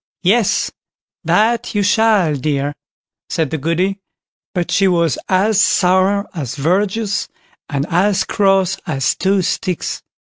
"Yes, that you shall, dear", said the Goody; but she was as sour as verjuice, and as cross as two sticks.